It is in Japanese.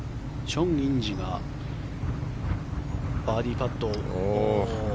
チョン・インジがバーディーパットを。